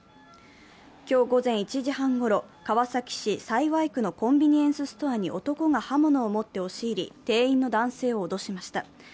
今日午前１時半ごろ、川崎市幸区のコンビニエンスストアに男が刃物を持って押し入り店員の男性を脅しました。